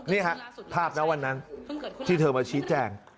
นี่ฮะภาพนะวันนั้นที่เธอมาชี้แจง